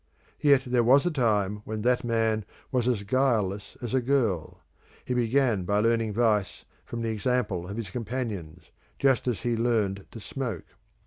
Yet there was a time when that man was as guileless as a girl: he began by learning vice from the example of his companions, just as he learnt to smoke.